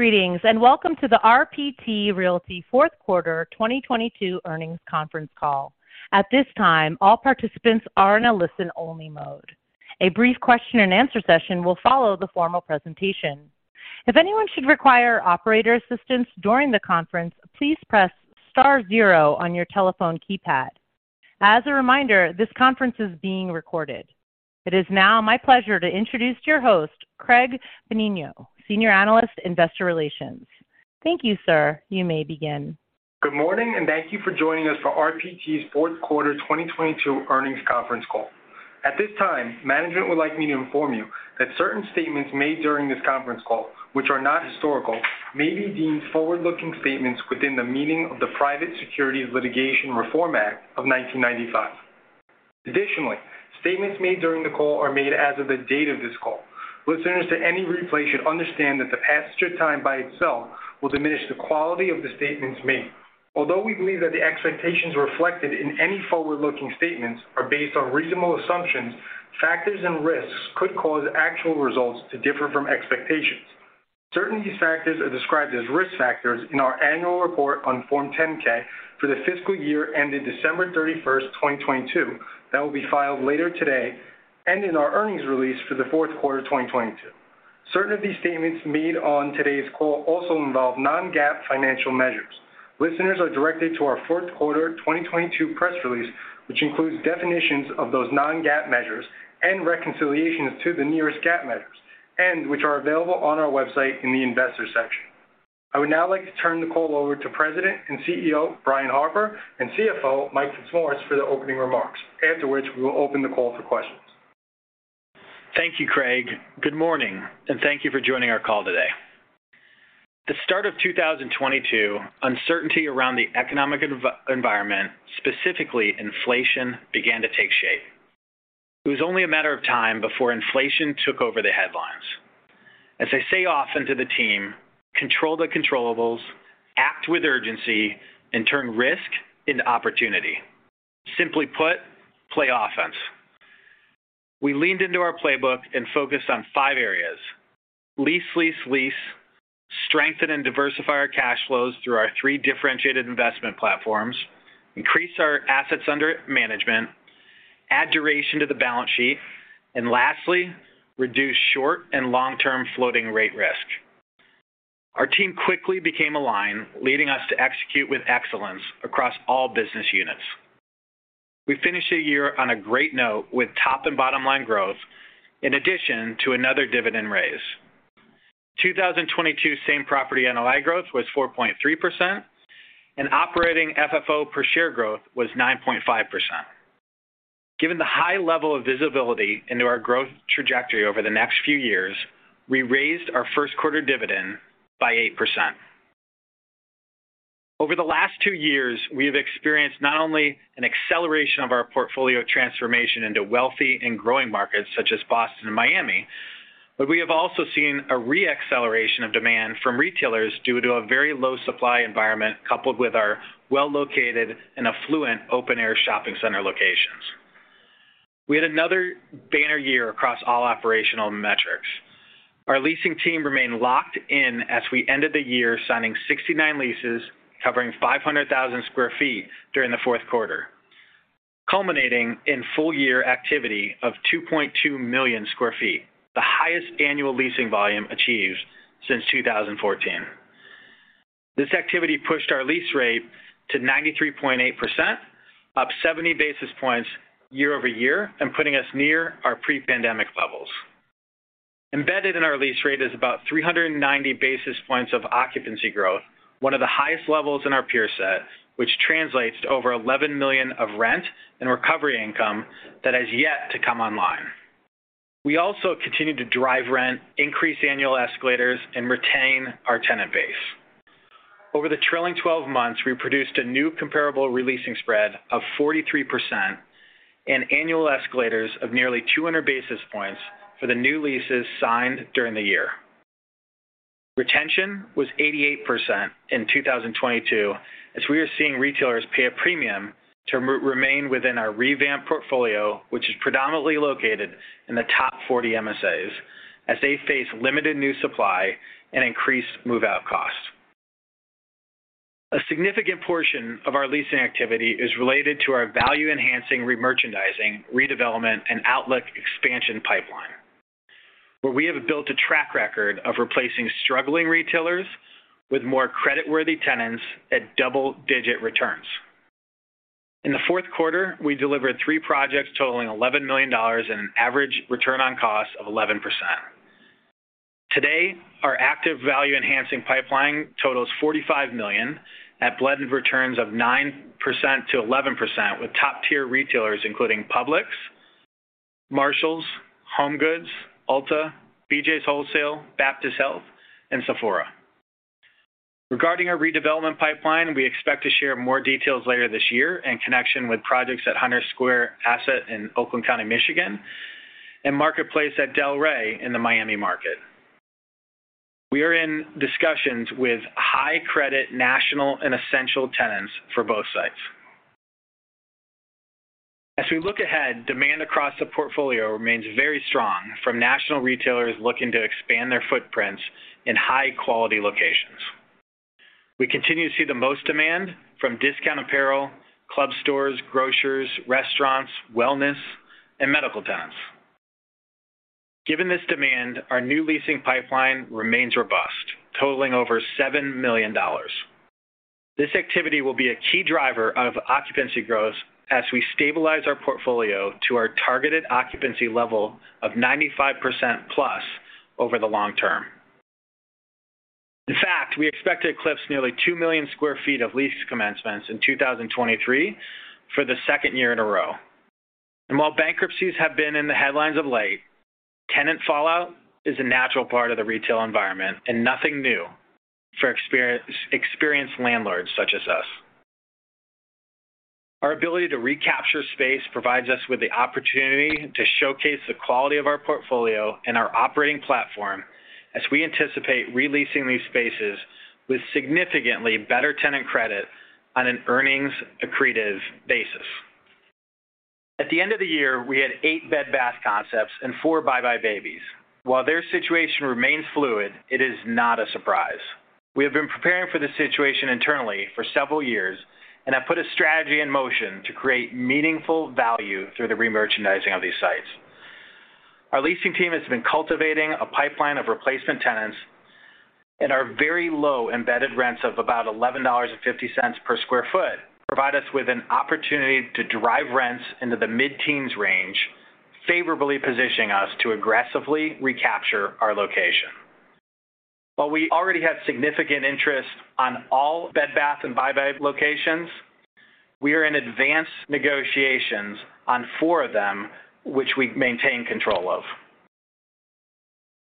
Greetings, welcome to the RPT Realty Q4 2022 Earnings Conference Call. At this time, all participants are in a listen-only mode. A brief question and answer session will follow the formal presentation. If anyone should require operator assistance during the conference, please press star zero on your telephone keypad. As a reminder, this conference is being recorded. It is now my pleasure to introduce your host, Craig Benigno, Senior Analyst, Investor Relations. Thank you, sir. You may begin. Good morning, thank you for joining us for RPT's Q4 2022 earnings conference call. At this time, management would like me to inform you that certain statements made during this conference call, which are not historical, may be deemed forward-looking statements within the meaning of the Private Securities Litigation Reform Act of 1995. Additionally, statements made during the call are made as of the date of this call. Listeners to any replay should understand that the passage of time by itself will diminish the quality of the statements made. Although we believe that the expectations reflected in any forward-looking statements are based on reasonable assumptions, factors and risks could cause actual results to differ from expectations. Certain of these factors are described as risk factors in our annual report on Form 10-K for the fiscal year ended December 31st, 2022 that will be filed later today and in our earnings release for Q4 of 2022. Certain of these statements made on today's call also involve non-GAAP financial measures. Listeners are directed to our Q4 2022 press release, which includes definitions of those non-GAAP measures and reconciliations to the nearest GAAP measures and which are available on our website in the Investors section. I would now like to turn the call over to President and CEO, Brian Harper, and CFO, Mike Fitzmaurice, for the opening remarks, after which we will open the call for questions. Thank you, Craig. Good morning, and thank you for joining our call today. At the start of 2022, uncertainty around the economic environment, specifically inflation, began to take shape. It was only a matter of time before inflation took over the headlines. As I say often to the team, control the controllables, act with urgency, and turn risk into opportunity. Simply put, play offense. We leaned into our playbook and focused on 5 areas: lease, lease, strengthen and diversify our cash flows through our three differentiated investment platforms, increase our assets under management, add duration to the balance sheet, and lastly, reduce short and long-term floating rate risk. Our team quickly became aligned, leading us to execute with excellence across all business units. We finished the year on a great note with top and bottom line growth in addition to another dividend raise. 2022 same-property NOI growth was 4.3% and operating FFO per share growth was 9.5%. Given the high level of visibility into our growth trajectory over the next few years, we raised our Q1 dividend by 8%. Over the last two years, we have experienced not only an acceleration of our portfolio transformation into wealthy and growing markets such as Boston and Miami, but we have also seen a re-acceleration of demand from retailers due to a very low supply environment coupled with our well-located and affluent open-air shopping center locations. We had another banner year across all operational metrics. Our leasing team remained locked in as we ended the year signing 69 leases covering 500,000 sq ft during Q4, culminating in full year activity of 2.2 million sq ft, the highest annual leasing volume achieved since 2014. This activity pushed our lease rate to 93.8%, up 70 basis points year-over-year and putting us near our pre-pandemic levels. Embedded in our lease rate is about 390 basis points of occupancy growth, one of the highest levels in our peer set, which translates to over $11 million of rent and recovery income that has yet to come online. We also continued to drive rent, increase annual escalators, and retain our tenant base. Over the trailing 12 months, we produced a new comparable re-leasing spread of 43% and annual escalators of nearly 200 basis points for the new leases signed during the year. Retention was 88% in 2022, as we are seeing retailers pay a premium to re-remain within our revamped portfolio, which is predominantly located in the top 40 MSAs as they face limited new supply and increased move-out costs. A significant portion of our leasing activity is related to our value-enhancing remerchandising, redevelopment, and outlet expansion pipeline, where we have built a track record of replacing struggling retailers with more creditworthy tenants at double-digit returns. In Q4, we delivered three projects totaling $11 million and an average return on cost of 11%. Today, our active value-enhancing pipeline totals $45 million at blended returns of 9%-11% with top-tier retailers including Publix, Marshalls, HomeGoods, Ulta, BJ's Wholesale, Baptist Health, and Sephora. Regarding our redevelopment pipeline, we expect to share more details later this year in connection with projects at Hunter's Square in Oakland County, Michigan, and Marketplace at Delray in the Miami market. We are in discussions with high credit national and essential tenants for both sites. We look ahead, demand across the portfolio remains very strong from national retailers looking to expand their footprints in high-quality locations. We continue to see the most demand from discount apparel, club stores, grocers, restaurants, wellness, and medical tenants. Given this demand, our new leasing pipeline remains robust, totaling over $7 million. This activity will be a key driver of occupancy growth as we stabilize our portfolio to our targeted occupancy level of 95% plus over the long term. In fact, we expect to eclipse nearly 2 million sq ft of lease commencements in 2023 for the second year in a row. While bankruptcies have been in the headlines of late, tenant fallout is a natural part of the retail environment and nothing new for experienced landlords such as us. Our ability to recapture space provides us with the opportunity to showcase the quality of our portfolio and our operating platform as we anticipate re-leasing these spaces with significantly better tenant credit on an earnings accretive basis. At the end of the year, we had eight Bed Bath & Beyond and four buybuy BABY. While their situation remains fluid, it is not a surprise. We have been preparing for this situation internally for several years and have put a strategy in motion to create meaningful value through the remerchandising of these sites. Our leasing team has been cultivating a pipeline of replacement tenants and our very low embedded rents of about $11.50 per square foot provide us with an opportunity to drive rents into the mid-teens range, favorably positioning us to aggressively recapture our location. While we already have significant interest on all Bed Bath & Beyond and buybuy BABY locations, we are in advanced negotiations on four of them which we maintain control of.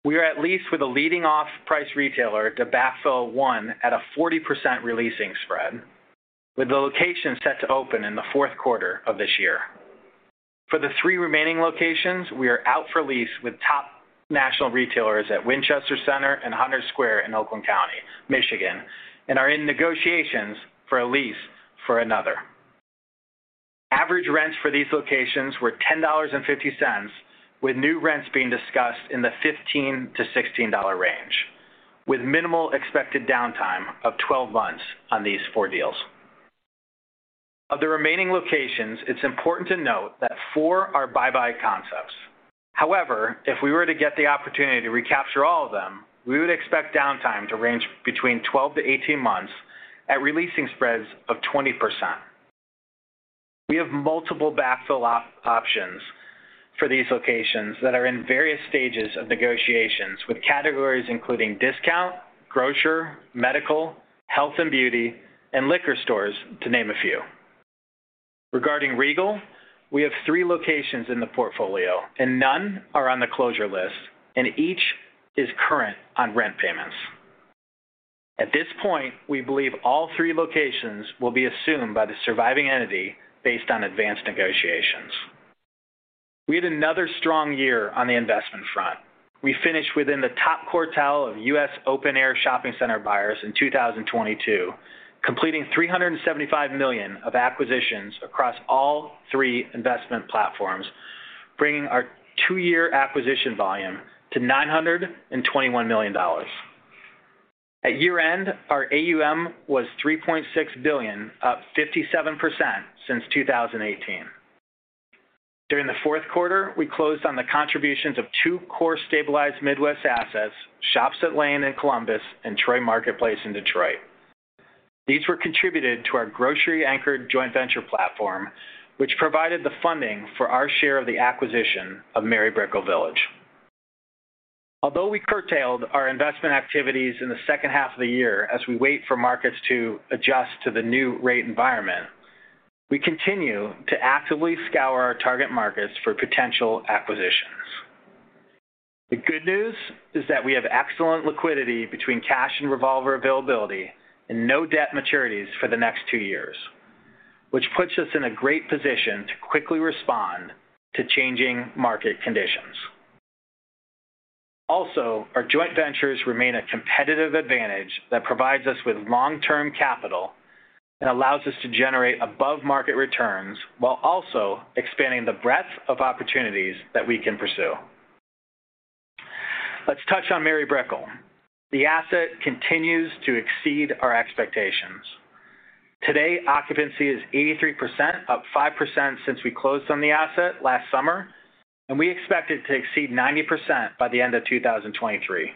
We are at lease with a leading off-price retailer to backfill one at a 40% releasing spread, with the location set to open in Q4 of this year. For the three remaining locations, we are out for lease with top national retailers at Winchester Center and Hunter's Square in Oakland County, Michigan, and are in negotiations for a lease for another. Average rents for these locations were $10.50, with new rents being discussed in the $15-$16 range, with minimal expected downtime of 12 months on these four deals. Of the remaining locations, it's important to note that four are buybuy Concepts. If we were to get the opportunity to recapture all of them, we would expect downtime to range between 12-18 months at releasing spreads of 20%. We have multiple backfill options for these locations that are in various stages of negotiations with categories including discount, grocer, medical, health and beauty, and liquor stores, to name a few. Regarding Regal, we have 3 locations in the portfolio, and none are on the closure list, and each is current on rent payments. At this point, we believe all 3 locations will be assumed by the surviving entity based on advanced negotiations. We had another strong year on the investment front. We finished within the top quartile of U.S. open-air shopping center buyers in 2022, completing $375 million of acquisitions across all three investment platforms, bringing our two year acquisition volume to $921 million. At year-end, our AUM was $3.6 billion, up 57% since 2018. During Q4, we closed on the contributions of two core stabilized Midwest assets, Shops at Lane in Columbus and Troy Marketplace in Detroit. These were contributed to our grocery-anchored joint venture platform, which provided the funding for our share of the acquisition of Mary Brickell Village. We curtailed our investment activities in the second half of the year as we wait for markets to adjust to the new rate environment, we continue to actively scour our target markets for potential acquisitions. The good news is that we have excellent liquidity between cash and revolver availability and no debt maturities for the next two years, which puts us in a great position to quickly respond to changing market conditions. Our joint ventures remain a competitive advantage that provides us with long-term capital and allows us to generate above-market returns while also expanding the breadth of opportunities that we can pursue. Let's touch on Mary Brickell. The asset continues to exceed our expectations. Today, occupancy is 83%, up 5% since we closed on the asset last summer, and we expect it to exceed 90% by the end of 2023.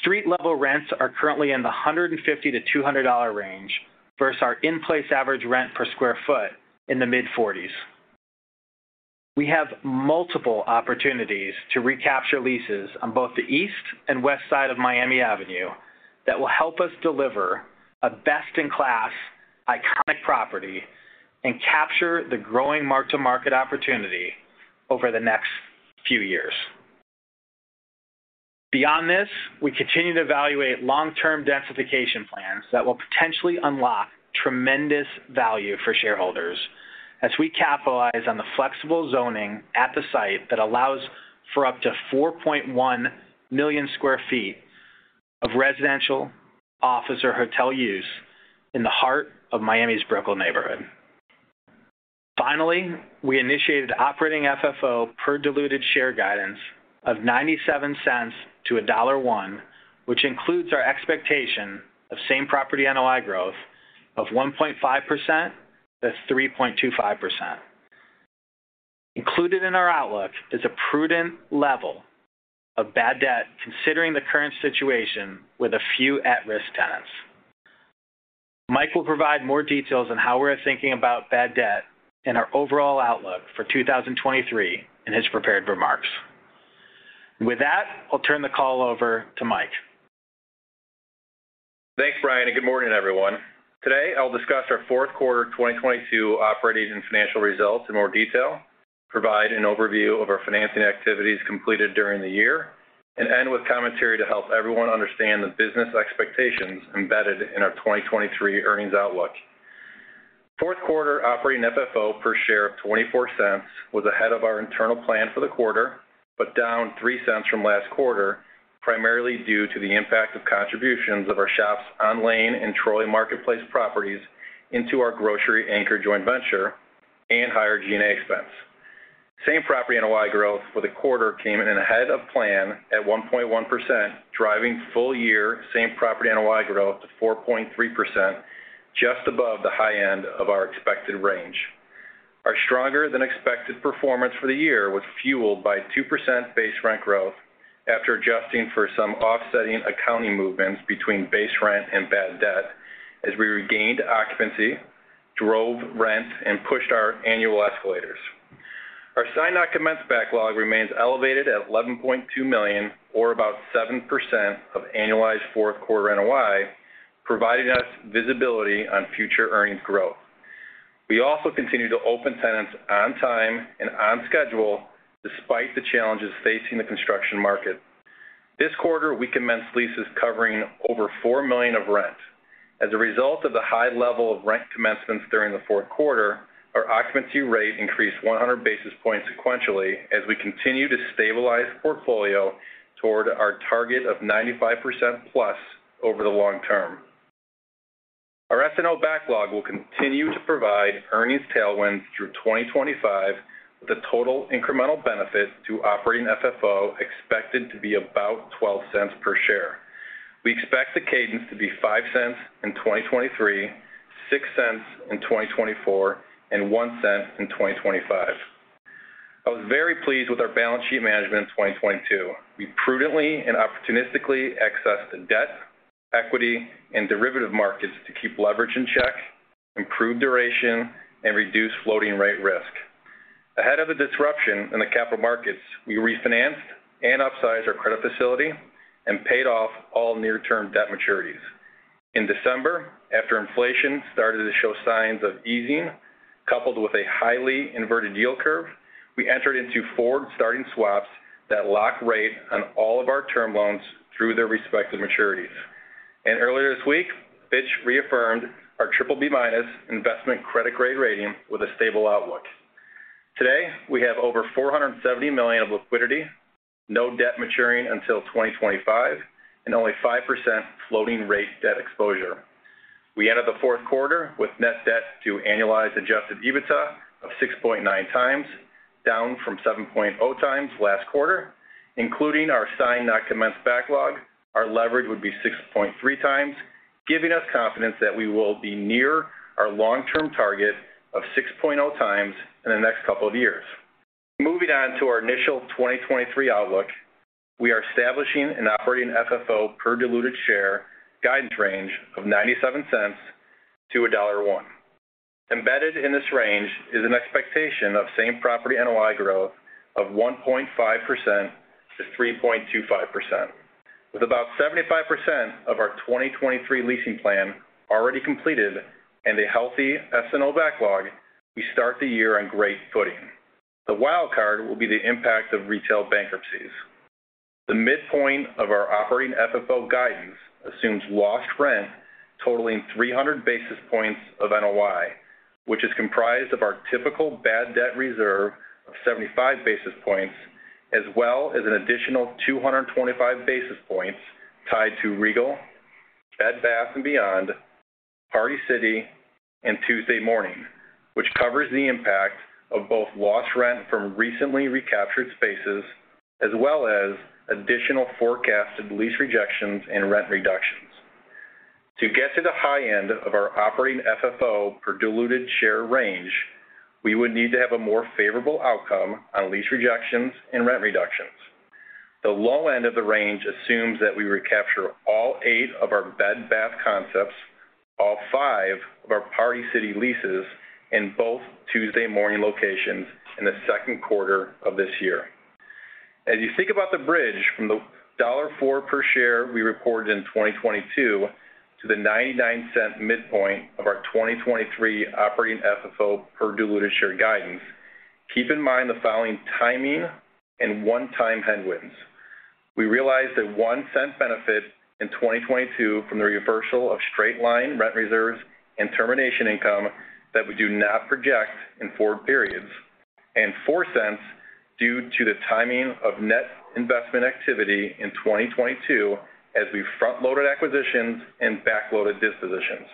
Street-level rents are currently in the $150-$200 range versus our in-place average rent per square foot in the mid-$40s. We have multiple opportunities to recapture leases on both the east and west side of Miami Avenue that will help us deliver a best-in-class iconic property and capture the growing mark-to-market opportunity over the next few years. Beyond this, we continue to evaluate long-term densification plans that will potentially unlock tremendous value for shareholders as we capitalize on the flexible zoning at the site that allows for up to 4.1 million sq ft of residential, office or hotel use in the heart of Miami's Brickell neighborhood. We initiated operating FFO per diluted share guidance of $0.97-$1.01, which includes our expectation of same-property NOI growth of 1.5%-3.25%. Included in our outlook is a prudent level of bad debt considering the current situation with a few at-risk tenants. Mike will provide more details on how we're thinking about bad debt and our overall outlook for 2023 in his prepared remarks. I'll turn the call over to Mike. Thanks, Brian, and good morning, everyone. Today, I'll discuss our Q4 2022 operating and financial results in more detail, provide an overview of our financing activities completed during the year, and end with commentary to help everyone understand the business expectations embedded in our 2023 earnings outlook. Q4 operating FFO per share of $0.24 was ahead of our internal plan for the quarter, but down $0.03 from last quarter, primarily due to the impact of contributions of our Shops on Lane and Troy Marketplace properties into our grocery anchor joint venture and higher G&A expense. Same-property NOI growth for the quarter came in ahead of plan at 1.1%, driving full-year same-property NOI growth to 4.3%, just above the high end of our expected range. Our stronger than expected performance for the year was fueled by 2% base rent growth after adjusting for some offsetting accounting movements between base rent and bad debt as we regained occupancy, drove rent, and pushed our annual escalators. Our signed not commenced backlog remains elevated at $11.2 million or about 7% of annualized Q4 NOI, providing us visibility on future earnings growth. We also continue to open tenants on time and on schedule despite the challenges facing the construction market. This quarter, we commenced leases covering over $4 million of rent. As a result of the high level of rent commencements during Q4, our occupancy rate increased 100 basis points sequentially as we continue to stabilize portfolio toward our target of 95% plus over the long term. Our SNO backlog will continue to provide earnings tailwinds through 2025, with the total incremental benefit to operating FFO expected to be about $0.12 per share. We expect the cadence to be $0.05 in 2023, $0.06 in 2024, and $0.01 in 2025. I was very pleased with our balance sheet management in 2022. We prudently and opportunistically accessed the debt, equity, and derivative markets to keep leverage in check, improve duration, and reduce floating rate risk. Ahead of the disruption in the capital markets, we refinanced and upsized our credit facility and paid off all near-term debt maturities. In December, after inflation started to show signs of easing, coupled with a highly inverted yield curve, we entered into forward starting swaps that lock rate on all of our term loans through their respective maturities. Earlier this week, Fitch reaffirmed our triple B-minus investment credit grade rating with a stable outlook. Today, we have over $470 million of liquidity, no debt maturing until 2025, and only 5% floating rate debt exposure. We ended Q4 with net debt to annualized adjusted EBITDA of 6.9x, down from 7.0x last quarter. Including our signed not commenced backlog, our leverage would be 6.3x, giving us confidence that we will be near our long-term target of 6.0x in the next couple of years. Moving on to our initial 2023 outlook, we are establishing an operating FFO per diluted share guidance range of $0.97-$1.01. Embedded in this range is an expectation of same-property NOI growth of 1.5%-3.25%. With about 75% of our 2023 leasing plan already completed and a healthy SNO backlog, we start the year on great footing. The wild card will be the impact of retail bankruptcies. The midpoint of our operating FFO guidance assumes lost rent totaling 300 basis points of NOI, which is comprised of our typical bad debt reserve of 75 basis points, as well as an additional 225 basis points tied to Regal, Bed Bath & Beyond, Party City, and Tuesday Morning, which covers the impact of both lost rent from recently recaptured spaces as well as additional forecasted lease rejections and rent reductions. To get to the high end of our operating FFO per diluted share range, we would need to have a more favorable outcome on lease rejections and rent reductions. The low end of the range assumes that we recapture all 8 of our Bed Bath concepts, all 5 of our Party City leases in both Tuesday Morning locations in Q2 of this year. As you think about the bridge from the $1.04 per share we reported in 2022 to the $0.99 midpoint of our 2023 operating FFO per diluted share guidance, keep in mind the following timing and one-time headwinds. We realized a $0.01 benefit in 2022 from the reversal of straight-line rent reserves and termination income that we do not project in forward periods and $0.04 due to the timing of net investment activity in 2022 as we front-loaded acquisitions and back-loaded dispositions.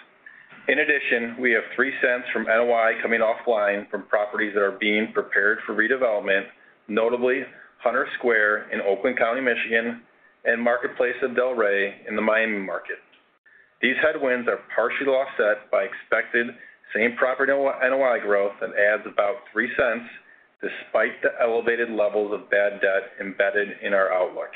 In addition, we have $0.03 from NOI coming offline from properties that are being prepared for redevelopment, notably Hunter's Square in Oakland County, Michigan, and Marketplace of Delray in the Miami market. These headwinds are partially offset by expected same-property NOI growth that adds about $0.03 despite the elevated levels of bad debt embedded in our outlook.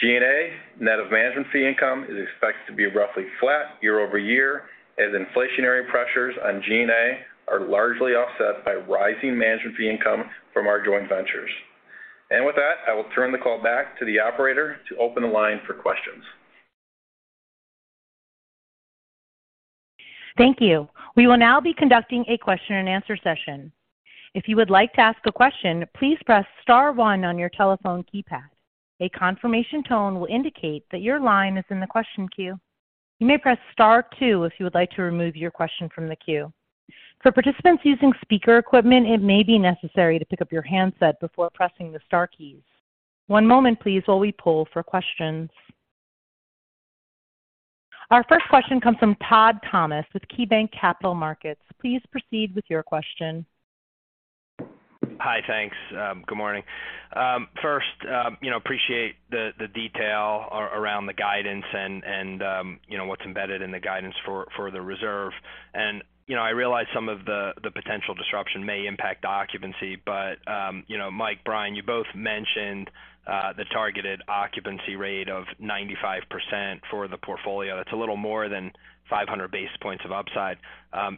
G&A, net of management fee income, is expected to be roughly flat year-over-year, as inflationary pressures on G&A are largely offset by rising management fee income from our joint ventures. With that, I will turn the call back to the operator to open the line for questions. Thank you. We will now be conducting a question-and-answer session. If you would like to ask a question, please press star one on your telephone keypad. A confirmation tone will indicate that your line is in the question queue. You may press star two if you would like to remove your question from the queue. For participants using speaker equipment, it may be necessary to pick up your handset before pressing the star keys. One moment please while we poll for questions. Our first question comes from Todd Thomas with KeyBanc Capital Markets. Please proceed with your question. Hi, thanks. Good morning. First, you know, appreciate the detail around the guidance and, you know, what's embedded in the guidance for the reserve. You know, I realize some of the potential disruption may impact occupancy, but, you know, Mike, Brian, you both mentioned the targeted occupancy rate of 95% for the portfolio. That's a little more than 500 basis points of upside.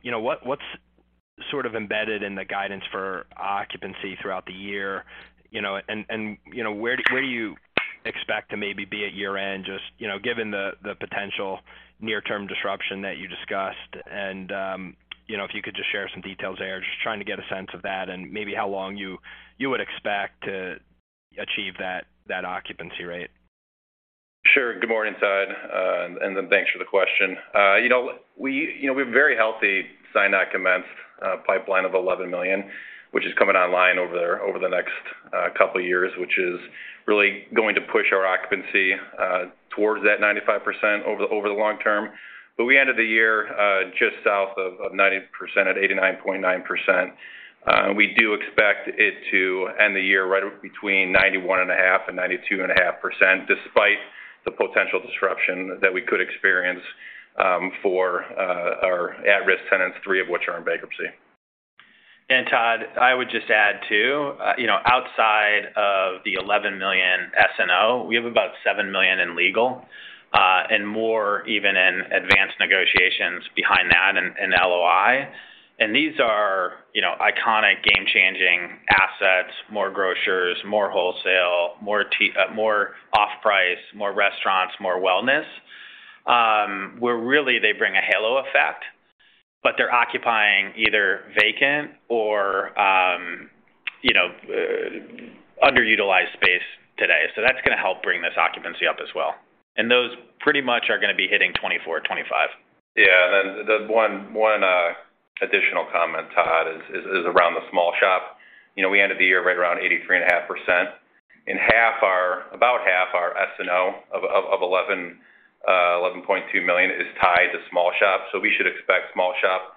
You know, what's sort of embedded in the guidance for occupancy throughout the year? You know, and, you know, where do you expect to maybe be at year-end just, you know, given the potential near-term disruption that you discussed? You know, if you could just share some details there. Just trying to get a sense of that and maybe how long you would expect to achieve that occupancy rate? Sure. Good morning, Todd, thanks for the question. you know, we have a very healthy signed documents pipeline of $11 million, which is coming online over the next couple years, which is really going to push our occupancy towards that 95% over the long term. We ended the year just south of 90% at 89.9%. We do expect it to end the year right between 91.5% and 92.5%, despite the potential disruption that we could experience for our at-risk tenants, three of which are in bankruptcy. Todd, I would just add too, you know, outside of the 11 million SNO, we have about 7 million in legal, and more even in advanced negotiations behind that in LOI. These are, you know, iconic game-changing assets, more grocers, more wholesale, more off-price, more restaurants, more wellness, where really they bring a halo effect, but they're occupying either vacant or, you know, underutilized space today. That's gonna help bring this occupancy up as well. Those pretty much are gonna be hitting 2024, 2025. Yeah. Then the one additional comment, Todd, is around the small shop. You know, we ended the year right around 83.5%, and about half our SNO of $11.2 million is tied to small shop. We should expect small shop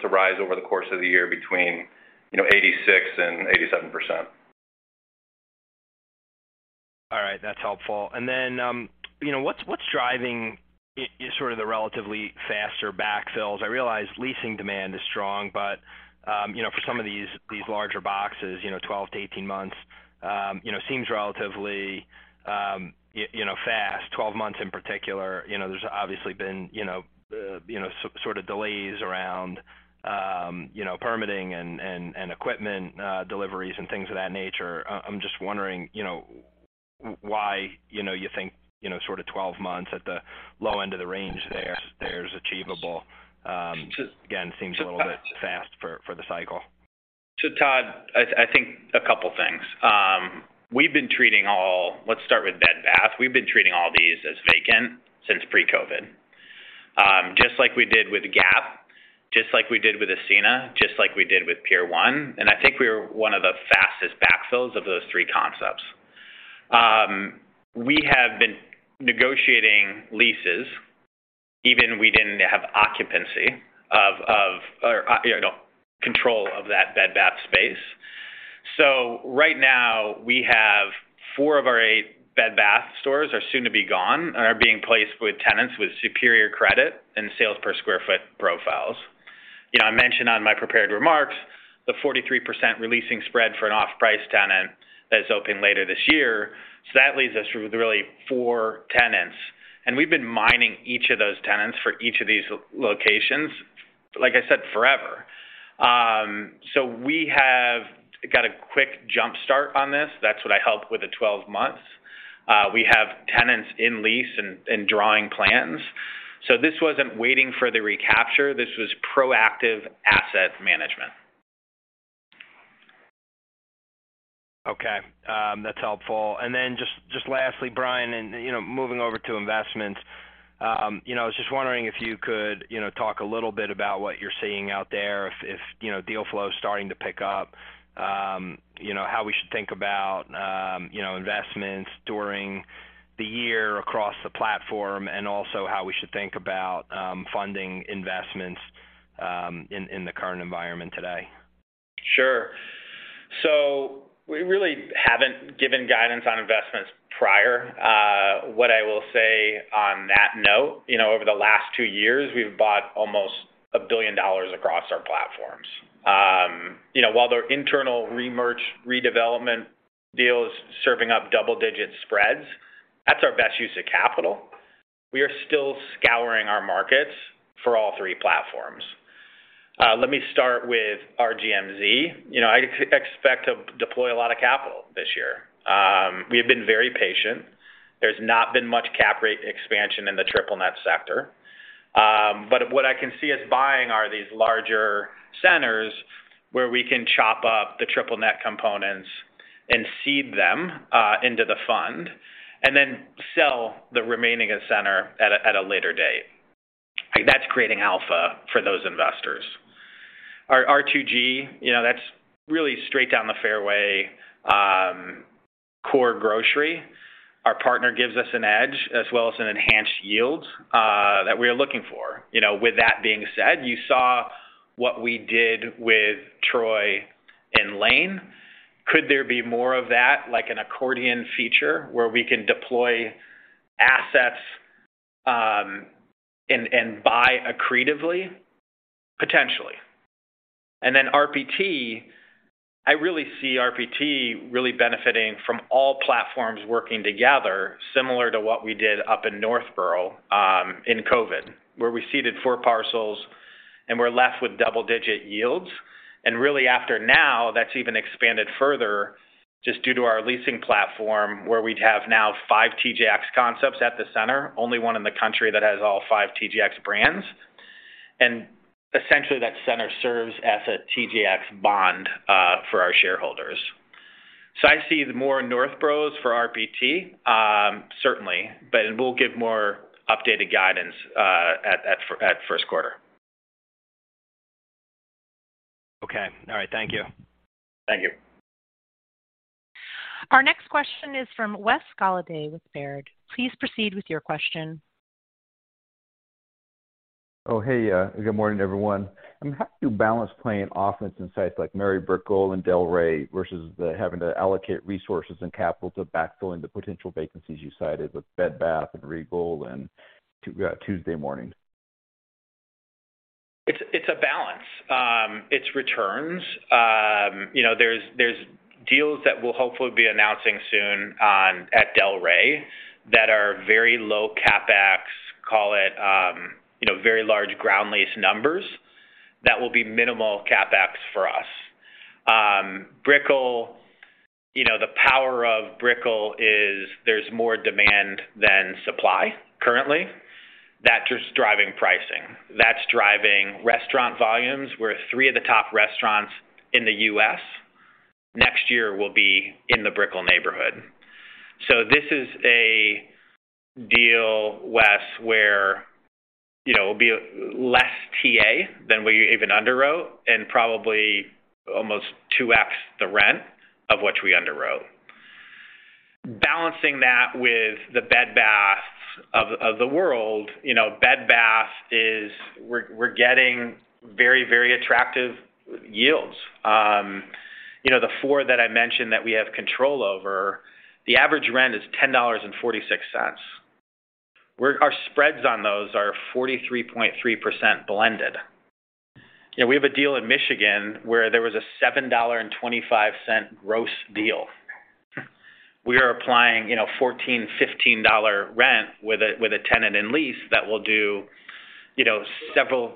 to rise over the course of the year between, you know, 86%-87%. All right. That's helpful. Then, you know, what's driving sort of the relatively faster backfills? I realize leasing demand is strong, but, you know, for some of these larger boxes, you know, 12 to 18 months, you know, seems relatively, you know, fast. 12 months in particular. You know, there's obviously been, you know, sort of delays around, you know, permitting and equipment deliveries and things of that nature. I'm just wondering, you know, why, you know, you think, you know, sort of 12 months at the low end of the range there's achievable. Again, seems a little bit fast for the cycle. Todd, I think a couple things. Let's start with Bed Bath. We've been treating all these as vacant since pre-COVID. Just like we did with Gap, just like we did with Ascena, just like we did with Pier 1, I think we are one of the fastest backfills of those three concepts. We have been negotiating leases even we didn't have occupancy of, or, you know, control of that Bed Bath space. Right now we have four of our eight Bed Bath stores are soon to be gone and are being placed with tenants with superior credit and sales per square foot profiles. You know, I mentioned on my prepared remarks the 43% releasing spread for an off-price tenant that is open later this year. That leaves us with really four tenants, and we've been mining each of those tenants for each of these locations, like I said, forever. We have got a quick jump-start on this. That's what I helped with the 12 months. We have tenants in lease and drawing plans. This wasn't waiting for the recapture. This was proactive asset management. That's helpful. Just, just lastly, Brian, and, you know, moving over to investments, you know, I was just wondering if you could, you know, talk a little bit about what you're seeing out there, if, you know, deal flow is starting to pick up, you know, how we should think about, you know, investments during the year across the platform? Also how we should think about, funding investments, in the current environment today? Sure. We really haven't given guidance on investments prior. What I will say on that note, you know, over the last 2 years, we've bought almost $1 billion across our platforms. You know, while their internal redevelopment deals serving up double-digit spreads, that's our best use of capital. We are still scouring our markets for all 3 platforms. Let me start with our RGMZ. You know, I expect to deploy a lot of capital this year. We have been very patient. There's not been much cap rate expansion in the triple net sector. What I can see us buying are these larger centers where we can chop up the triple net components and seed them into the fund and then sell the remaining center at a later date. That's creating alpha for those investors. Our R2G, you know, that's really straight down the fairway, core grocery. Our partner gives us an edge as well as an enhanced yield, that we are looking for. You know, with that being said, you saw what we did with Troy and Lane. Could there be more of that, like an accordion feature where we can deploy assets, and buy accretively? Potentially. RPT, I really see RPT really benefiting from all platforms working together, similar to what we did up in Northborough, in COVID, where we seeded four parcels, and we're left with double-digit yields. Really after now, that's even expanded further just due to our leasing platform, where we'd have now five TJX concepts at the center, only one in the country that has all five TJX brands. Essentially, that center serves as a TJX bond for our shareholders. I see more Northboroughs for RPT, certainly, but we'll give more updated guidance at Q1. Okay. All right. Thank you. Thank you. Our next question is from Wes Golladay with Baird. Please proceed with your question. Hey. Good morning, everyone. How do you balance playing offense in sites like Mary Brickell and Delray versus the having to allocate resources and capital to backfilling the potential vacancies you cited with Bed Bath and Regal and Tuesday Morning? It's a balance. It's returns. You know, there's deals that we'll hopefully be announcing soon at Delray that are very low CapEx, call it, you know, very large ground lease numbers that will be minimal CapEx for us. Brickell, you know, the power of Brickell is there's more demand than supply currently. That's just driving pricing. That's driving restaurant volumes, where three of the top restaurants in the U.S. next year will be in the Brickell neighborhood. This is a deal, Wes, where, you know, it'll be less TA than we even underwrote and probably almost 2x the rent of which we underwrote. Balancing that with the Bed Baths of the world, you know, Bed Bath is we're getting very, very attractive yields. You know, the four that I mentioned that we have control over, the average rent is $10.46, where our spreads on those are 43.3% blended. You know, we have a deal in Michigan where there was a $7.25 gross deal. We are applying, you know, $14-$15 rent with a tenant and lease that will do, you know, several,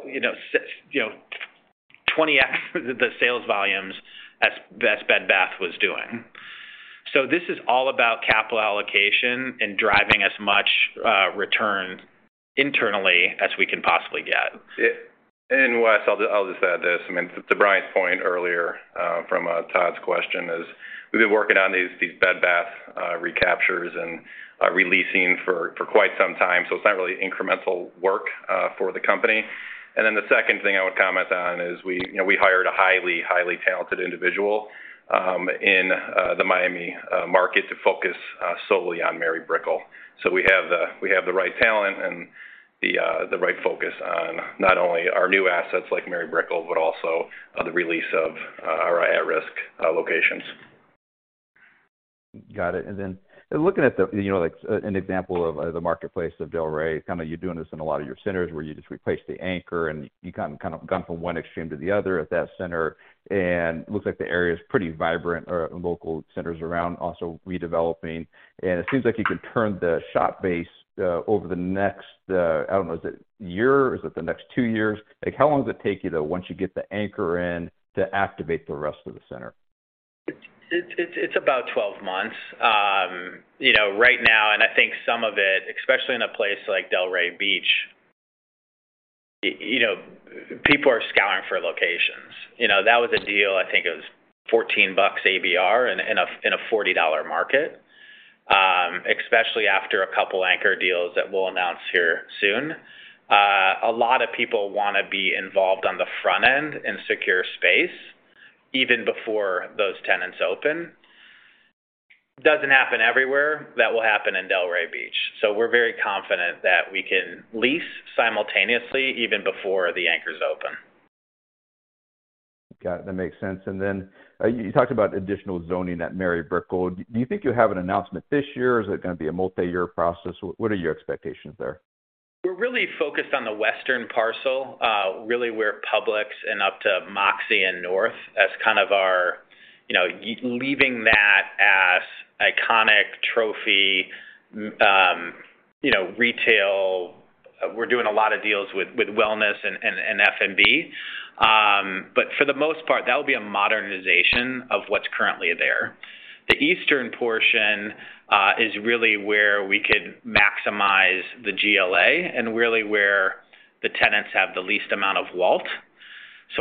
20x the sales volumes as Bed Bath was doing. This is all about capital allocation and driving as much return internally as we can possibly get. Wes, I'll just add this. I mean, to Brian's point earlier, from Todd's question is we've been working on these Bed Bath recaptures and re-leasing for quite some time. It's not really incremental work for the company. The second thing I would comment on is we, you know, we hired a highly talented individual in the Miami market to focus solely on Mary Brickell. We have the right talent and the right focus on not only our new assets like Mary Brickell, but also the release of our at-risk locations. Got it. Then looking at the, you know, like an example of the marketplace of Delray, kind of you're doing this in a lot of your centers where you just replace the anchor, and you kind of gone from one extreme to the other at that center. Looks like the area is pretty vibrant, or local centers around also redeveloping. It seems like you could turn the shop base over the next, I don't know, is it year? Is it the next 2 years? Like, how long does it take you, though, once you get the anchor in to activate the rest of the center? It's about 12 months. You know, right now, I think some of it, especially in a place like Delray Beach. You know, people are scouring for locations. You know, that was a deal, I think it was $14 ABR in a, in a $40 market. Especially after a couple anchor deals that we'll announce here soon. A lot of people wanna be involved on the front end and secure space even before those tenants open. Doesn't happen everywhere. That will happen in Delray Beach. We're very confident that we can lease simultaneously even before the anchors open. Got it. That makes sense. You talked about additional zoning at Mary Brickell. Do you think you'll have an announcement this year, or is it gonna be a multi-year process? What are your expectations there? We're really focused on the western parcel, really where Publix and up to Moxie and North as kind of our, you know, leaving that as iconic trophy, you know, retail. We're doing a lot of deals with wellness and F&B. For the most part, that would be a modernization of what's currently there. The eastern portion is really where we could maximize the GLA and really where the tenants have the least amount of WALT.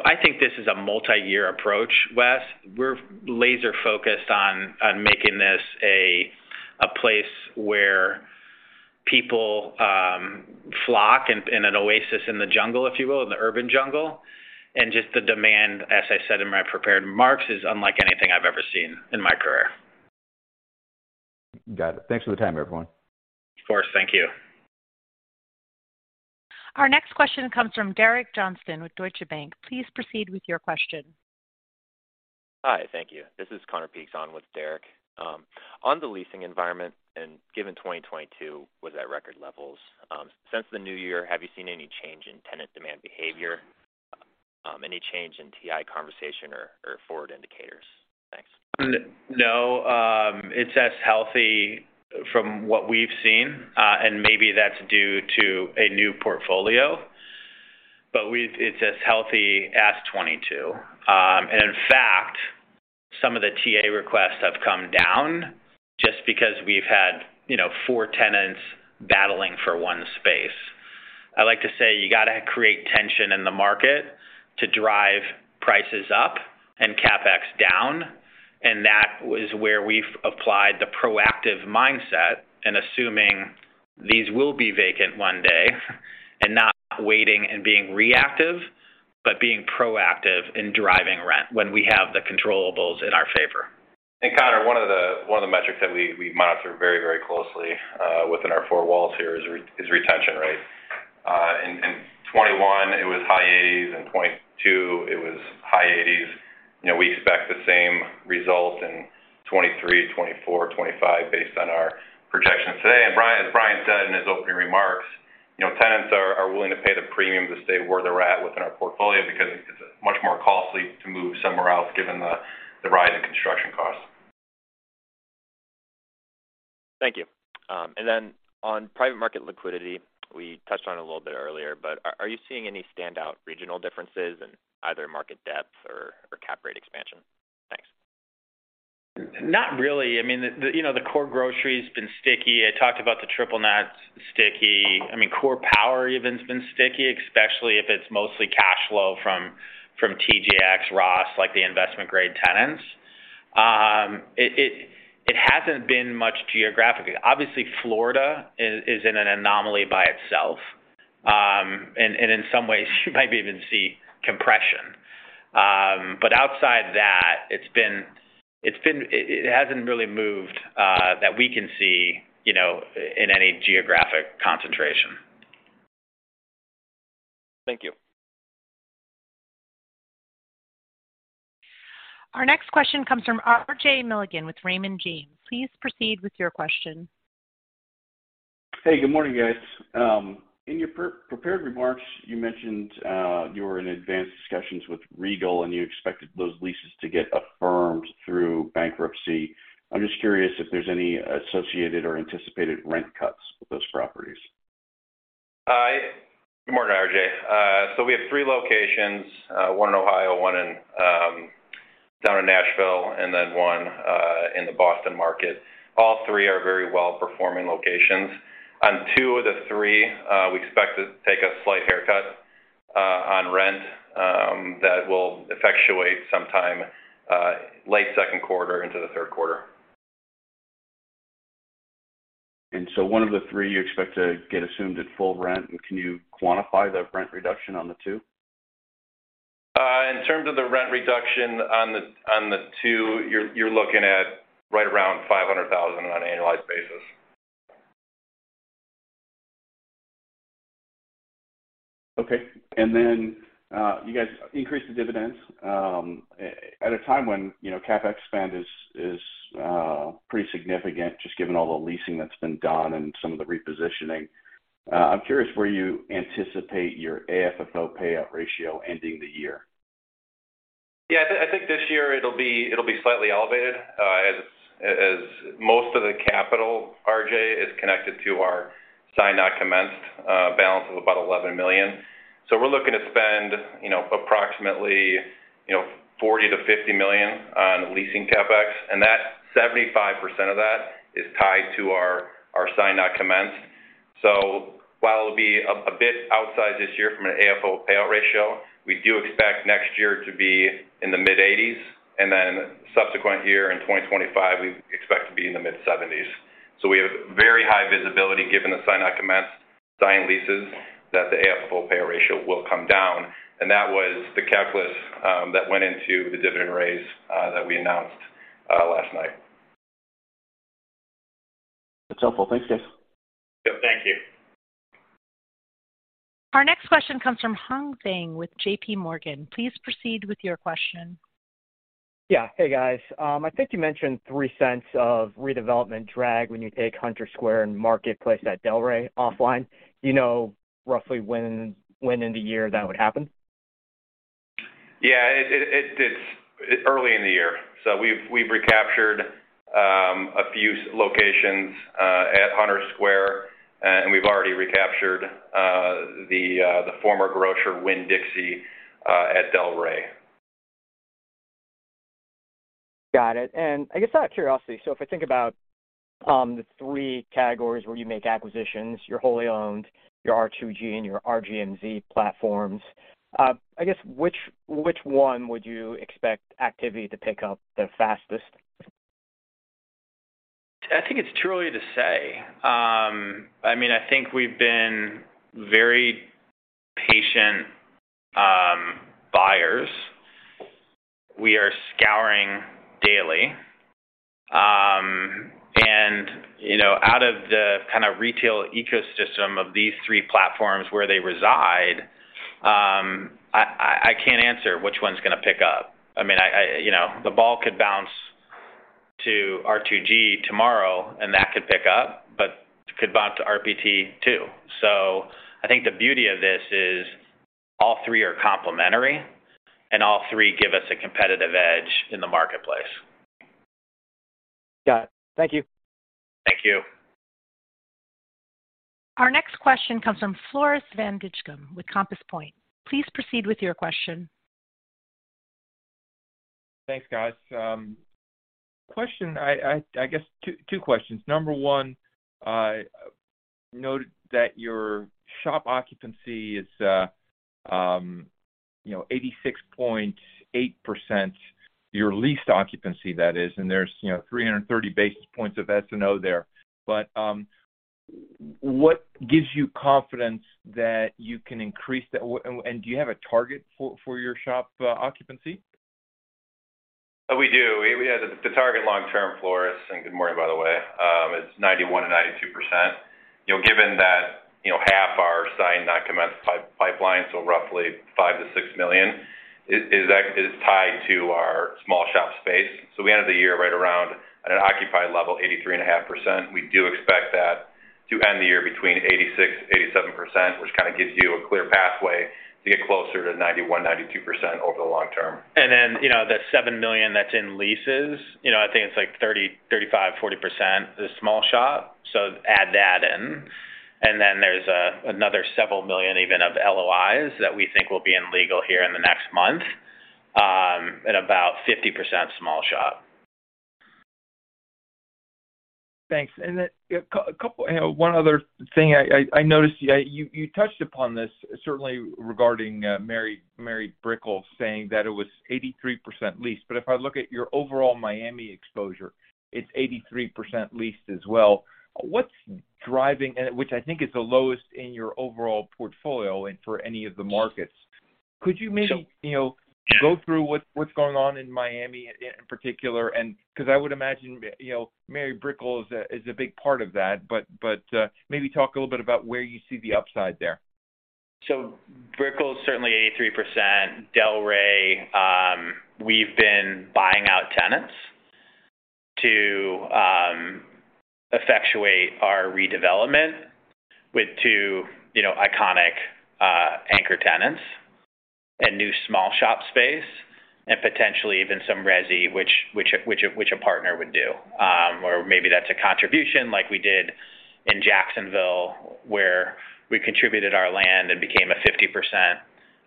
I think this is a multi-year approach, Wes. We're laser focused on making this a place where people flock in an oasis in the jungle, if you will, in the urban jungle. Just the demand, as I said in my prepared remarks, is unlike anything I've ever seen in my career. Got it. Thanks for the time, everyone. Of course. Thank you. Our next question comes from Derek Johnston with Deutsche Bank. Please proceed with your question. Hi. Thank you. This is Conor Peaks on with Derek. On the leasing environment and given 2022 was at record levels, since the new year, have you seen any change in tenant demand behavior? Any change in TI conversation or forward indicators? Thanks. No. It's as healthy from what we've seen, and maybe that's due to a new portfolio, but it's as healthy as 22. In fact, some of the TA requests have come down just because we've had, you know, four tenants battling for one space. I like to say you gotta create tension in the market to drive prices up and CapEx down. That is where we've applied the proactive mindset in assuming these will be vacant one day and not waiting and being reactive, but being proactive in driving rent when we have the controllables in our favor. Conor, one of the metrics that we monitor very, very closely within our four walls here is retention rate. In 2021, it was high eighties. In 2022, it was high eighties. You know, we expect the same results in 2023, 2024, 2025 based on our projections today. As Brian said in his opening remarks, you know, tenants are willing to pay the premium to stay where they're at within our portfolio because it's much more costly to move somewhere else given the rise in construction costs. Thank you. On private market liquidity, we touched on a little bit earlier, but are you seeing any standout regional differences in either market depth or cap rate expansion? Thanks. Not really. I mean, the, you know, the core grocery's been sticky. I talked about the triple net sticky. I mean, core power even's been sticky, especially if it's mostly cash flow from TJX, Ross, like the investment grade tenants. It hasn't been much geographically. Obviously, Florida is in an anomaly by itself. In some ways you might even see compression. Outside that, it's been it hasn't really moved that we can see, you know, in any geographic concentration. Thank you. Our next question comes from RJ Milligan with Raymond James. Please proceed with your question. Hey, good morning, guys. In your prepared remarks, you mentioned, you were in advanced discussions with Regal, and you expected those leases to get affirmed through bankruptcy. I'm just curious if there's any associated or anticipated rent cuts with those properties. Hi. Good morning, RJ. we have three locations, one in Ohio, one in, down in Nashville, and then one, in the Boston market. All three are very well-performing locations. On two of the three, we expect to take a slight haircut, on rent, that will effectuate sometime, late Q2 into Q3. So, one of the three you expect to get assumed at full rent, and can you quantify the rent reduction on the two? In terms of the rent reduction on the two, you're looking at right around $500,000 on an annualized basis. Okay. You guys increased the dividends at a time when, you know, CapEx spend is pretty significant just given all the leasing that's been done and some of the repositioning. I'm curious where you anticipate your AFFO payout ratio ending the year. Yeah. I think this year it'll be slightly elevated, as most of the capital, RJ, is connected to our signed, not commenced, balance of about $11 million. We're looking to spend, you know, approximately, you know, $40 million-$50 million Leasing CapEx, and that 75% of that is tied to our signed not commenced. While it'll be a bit outside this year from an AFFO payout ratio, we do expect 2024 to be in the mid-80s, and then subsequent year in 2025, we expect to be in the mid-70s. We have very high visibility given the signed not commenced leases that the AFFO payout ratio will come down. That was the calculus that went into the dividend raise that we announced last night. That's helpful. Thanks, guys. Yep, thank you. Our next question comes from Hong Zhang with J.P. Morgan. Please proceed with your question. Hey, guys. I think you mentioned $0.03 of redevelopment drag when you take Hunter's Square and Marketplace at Delray offline. Do you know roughly when in the year that would happen? Yeah. It's early in the year. We've recaptured a few locations at Hunter's Square, and we've already recaptured the former grocer Winn-Dixie at Delray. Got it. I guess out of curiosity, if I think about the three categories where you make acquisitions, your wholly owned, your R2G, and your RGMZ platforms, I guess which one would you expect activity to pick up the fastest? I think it's too early to say. I mean, I think we've been very patient buyers. We are scouring daily. And, you know, out of the kind of retail ecosystem of these three platforms where they reside, I can't answer which one's gonna pick up. I mean, I, you know, the ball could bounce to R2G tomorrow, and that could pick up, but it could bounce to RPT too. I think the beauty of this is all three are complementary, and all three give us a competitive edge in the marketplace. Got it. Thank you. Thank you. Our next question comes from Floris van Dijkum with Compass Point. Please proceed with your question. Thanks, guys. I guess two questions. Number one, noted that your shop occupancy is, you know, 86.8%, your leased occupancy, that is. And there's, you know, 330 basis points of SNO there. What gives you confidence that you can increase that? And do you have a target for your shop occupancy? We do. We have the target long term, Floris, and good morning, by the way, is 91%-92%. You know, given that, you know, half our signed not commenced pipeline, so roughly $5 million-$6 million is tied to our small shop space. We ended the year right around at an occupied level, 83.5%. We do expect that to end the year between 86%-87%, which kind of gives you a clear pathway to get closer to 91%-92% over the long term. Then, you know, the $7 million that's in leases, you know, I think it's like 30%, 35%, 40% is small shop. Add that in, and then there's another $ several million even of LOIs that we think will be in legal here in the next month, at about 50% small shop. Thanks. Then, yeah, a couple, you know, one other thing I noticed you touched upon this certainly regarding Mary Brickell saying that it was 83% leased. If I look at your overall Miami exposure, it's 83% leased as well. What's driving... Which I think is the lowest in your overall portfolio and for any of the markets. Could you maybe- So- You know, go through what's going on in Miami in particular and. 'Cause I would imagine, you know, Mary Brickell is a big part of that. Maybe talk a little bit about where you see the upside there. Brickell is certainly 83%. Delray, we've been buying out tenants to effectuate our redevelopment with two iconic anchor tenants and new small shop space and potentially even some resi which a partner would do. Or maybe that's a contribution like we did in Jacksonville, where we contributed our land and became a 50%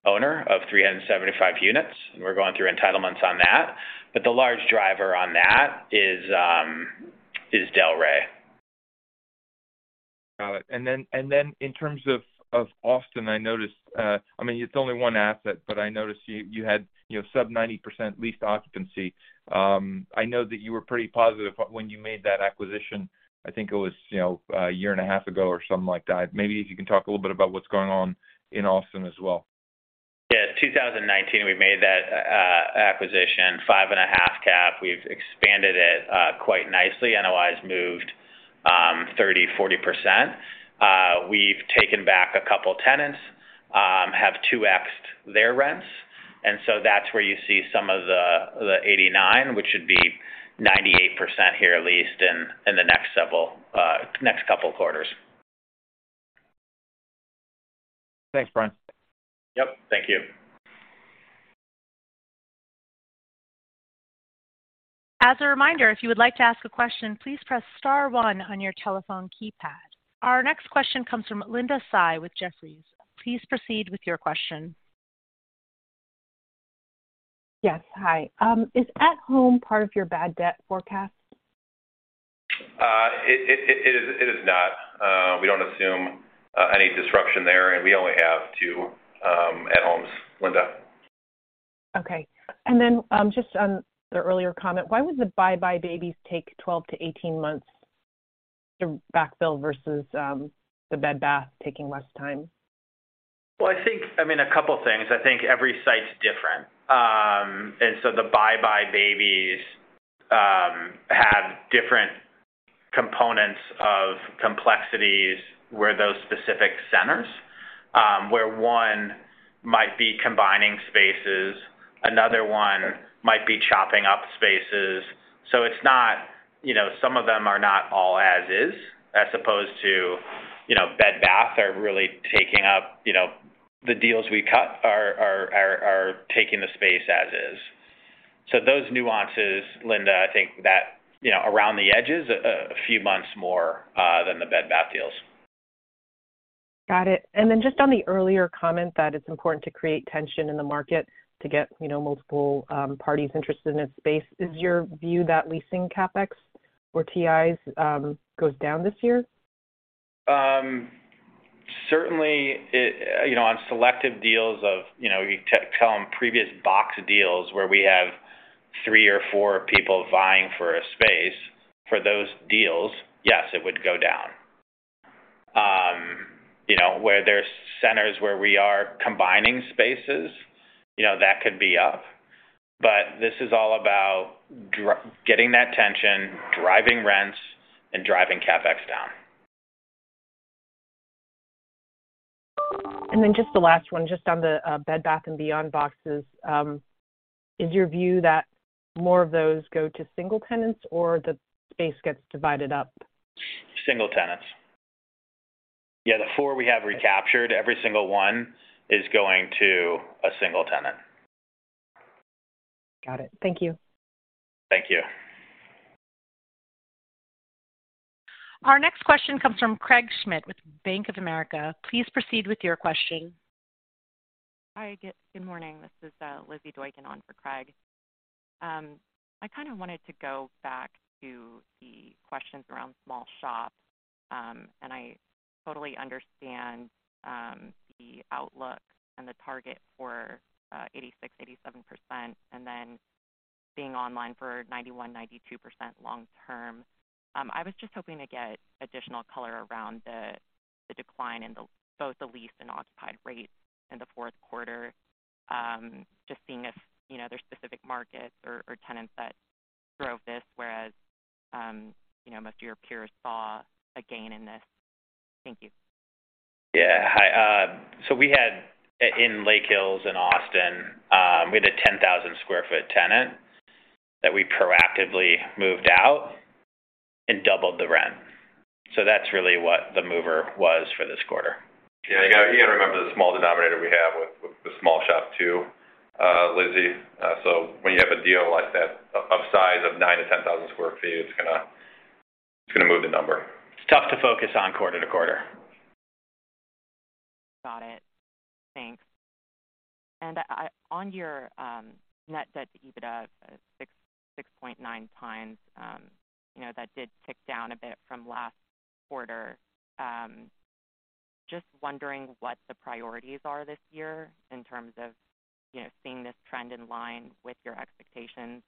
owner of 375 units. We're going through entitlements on that. The large driver on that is Delray. Got it. In terms of Austin, I noticed, I mean, it's only one asset, but I noticed you had, you know, sub 90% leased occupancy. I know that you were pretty positive when you made that acquisition. I think it was, you know, a year and a half ago or something like that. Maybe if you can talk a little bit about what's going on in Austin as well. Yeah. 2019, we made that acquisition, 5.5 cap. We've expanded it, quite nicely. NOI's moved, 30%-40%. We've taken back a couple tenants, have 2x their rents. That's where you see some of the 89%, which should be 98% here leased in the next several, next couple quarters. Thanks, Brian. Yep. Thank you. As a reminder, if you would like to ask a question, please press star one on your telephone keypad. Our next question comes from Linda Tsai with Jefferies. Please proceed with your question. Yes. Hi. Is At Home part of your bad debt forecast? It is not. We don't assume any disruption there, and we only have 2 At Home, Linda. Okay. Just on the earlier comment, why would the buybuy BABY take 12 to 18 months to backfill versus the Bed Bath taking less time? Well, I think, I mean, a couple things. I think every site's different. The buybuy BABY have different components of complexities where those specific centers, where one might be combining spaces, another one might be chopping up spaces. It's not, you know, some of them are not all as is, as opposed to, you know, Bed Bath are really taking up, you know, the deals we cut are taking the space as is. Those nuances, Linda, I think that, you know, around the edges, a few months more than the Bed Bath deals. Got it. Then just on the earlier comment that it's important to create tension in the market to get, you know, multiple parties interested in a space, is your view that leasing CapEx or TIs goes down this year? Certainly it, you know, on selective deals of, you know, you call them previous box deals where we have three or four people vying for a space. For those deals, yes, it would go down. You know, where there's centers where we are combining spaces, you know, that could be up. This is all about getting that tension, driving rents, and driving CapEx down. Just the last one, just on the Bed Bath & Beyond boxes. Is your view that more of those go to single tenants or the space gets divided up? Single tenants. Yeah, the four we have recaptured, every single one is going to a single tenant. Got it. Thank you. Thank you. Our next question comes from Craig Schmidt with Bank of America. Please proceed with your question. Hi, good morning. This is Lizzy Doykan on for Craig. I kind of wanted to go back to the questions around small shop. I totally understand the outlook and the target for 86%, 87%, and then being online for 91%, 92% long term. I was just hoping to get additional color around the decline in the, both the lease and occupied rates in Q4, just seeing if, you know, there's specific markets or tenants that drove this, whereas, you know, most of your peers saw a gain in this. Thank you. Yeah. Hi. We had in Lake Hills in Austin, we had a 10,000-square-foot tenant that we proactively moved out and doubled the rent. That's really what the mover was for this quarter. Yeah, you gotta remember the small denominator we have with the small shop too, Lizzy. When you have a deal like that of size of 9,000-10,000 sq ft, it's gonna move the number. It's tough to focus on quarter-to-quarter. Got it. Thanks. On your net debt to EBITDA of 6.9 times, you know, that did tick down a bit from last quarter. Just wondering what the priorities are this year in terms of, you know, seeing this trend in line with your expectations,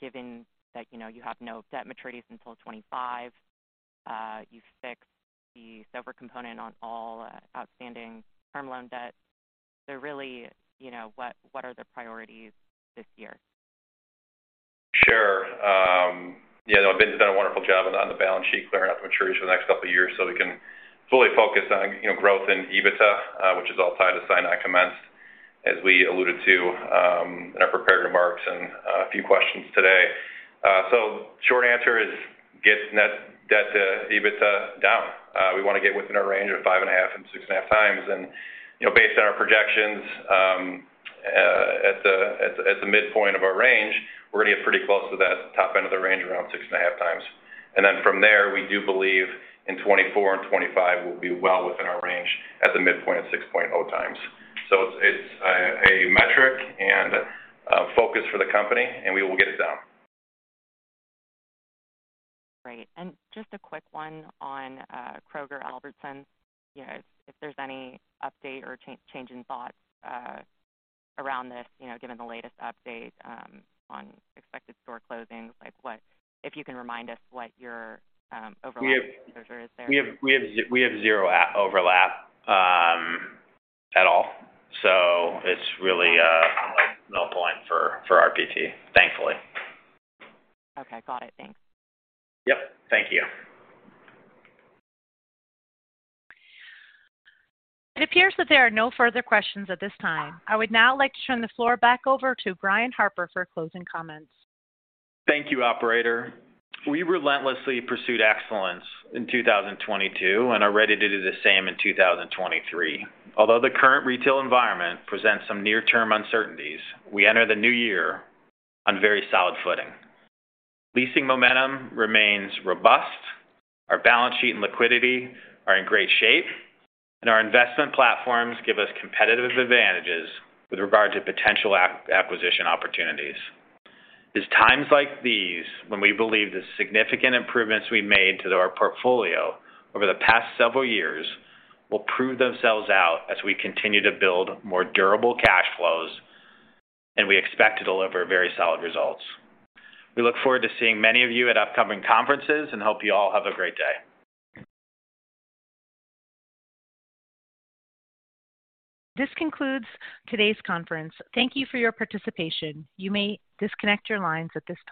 given that, you know, you have no debt maturities until 25, you fixed the sovereign component on all outstanding term loan debt. Really, you know, what are the priorities this year? Sure. you know, Brian's, done a wonderful job on the balance sheet, clearing out the maturities for the next couple of years so we can fully focus on, you know, growth in EBITDA, which is all tied to sign-on commenced, as we alluded to, in our prepared remarks and a few questions today. Short answer is get net debt to EBITDA down. We wanna get within our range of 5.5 and 6.5 times. you know, based on our projections, at the midpoint of our range, we're gonna get pretty close to that top end of the range, around 6.5 times. From there, we do believe in 2024 and 2025 we'll be well within our range at the midpoint of 6.0 times. It's a metric and a focus for the company, and we will get it down. Great. Just a quick one on Kroger/Albertsons. You know, if there's any update or change in thought around this, you know, given the latest update on expected store closings, like if you can remind us what your overlap with Kroger is there? We have 0 overlap at all. It's really like null point for RPT, thankfully. Okay. Got it. Thanks. Yep. Thank you. It appears that there are no further questions at this time. I would now like to turn the floor back over to Brian Harper for closing comments. Thank you, operator. We relentlessly pursued excellence in 2022 and are ready to do the same in 2023. Although the current retail environment presents some near-term uncertainties, we enter the new year on very solid footing. Leasing momentum remains robust, our balance sheet and liquidity are in great shape, and our investment platforms give us competitive advantages with regard to potential acquisition opportunities. It's times like these when we believe the significant improvements we made to our portfolio over the past several years will prove themselves out as we continue to build more durable cash flows, and we expect to deliver very solid results. We look forward to seeing many of you at upcoming conferences and hope you all have a great day. This concludes today's conference. Thank you for your participation. You may disconnect your lines at this time.